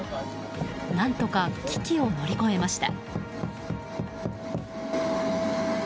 何とか危機を乗り越えました。